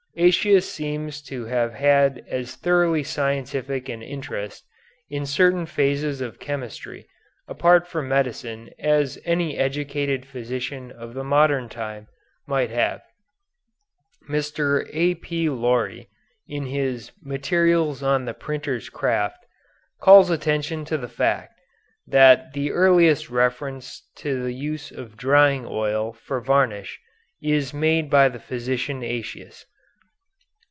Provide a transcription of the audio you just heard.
Aëtius seems to have had as thoroughly scientific an interest in certain phases of chemistry apart from medicine as any educated physician of the modern time might have. Mr. A.P. Laurie, in his "Materials of the Printer's Craft," calls attention to the fact that the earliest reference to the use of drying oil for varnish is made by the physician Aëtius.